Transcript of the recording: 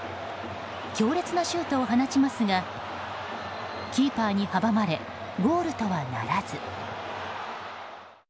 強烈なシュートを放ちますがキーパーに阻まれゴールとはならず。